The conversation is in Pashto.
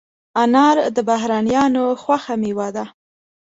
انار د بهرنیانو خوښه مېوه ده.